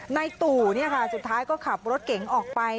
ในตู่สุดท้ายก็ขับรถเก๋งออกไป